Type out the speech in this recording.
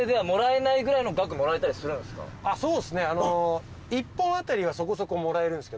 そうですね。